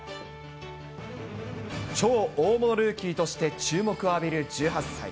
超大物ルーキーとして注目を浴びる１８歳。